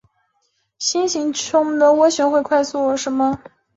新形成的涡旋会快速伸展和弯曲以消除任何开放终端的涡旋线。